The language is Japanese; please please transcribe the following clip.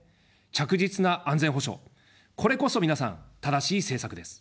着実な安全保障、これこそ皆さん、正しい政策です。